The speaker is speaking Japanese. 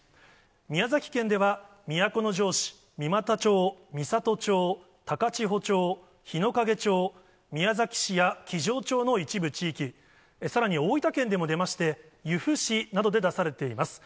宮崎県では都城市、三股町、みさと町、たかちほ町、ひのかげ町、宮崎市や木城町の一部地域、さらに大分県にも出まして、由布市などで出されています。